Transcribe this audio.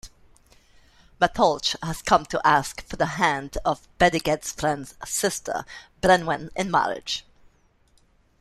Matholwch has come to ask for the hand of Bendigeidfran's sister Branwen in marriage.